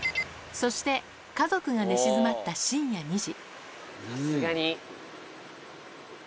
そして、家族が寝静まった深夜２時。